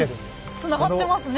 つながってますね